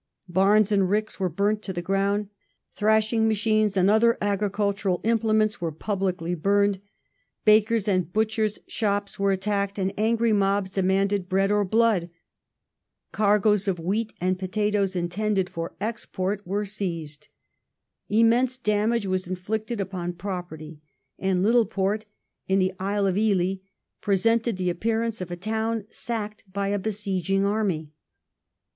Barns and ricks were burnt to the ground ; thrashing machines and other agricultural implements were publicly burned ; bakers' and butchei*s' shops were attacked, and angry mobs demanded " bread or blood "; cargoes of wheat and potatoes intended for export were seized ; immense damage was inflicted upon property, and Littleport, in the Isle of Ely, presented the appearance of a town " sacked by a besieging army